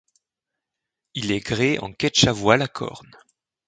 Il est gréé en ketch à voiles à corne.